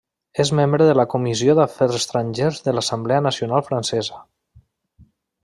És membre de la comissió d'afers estrangers de l'Assemblea Nacional francesa.